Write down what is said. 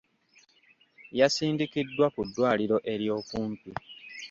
Yasindikiddwa ku ddwaliro ery'okumpi.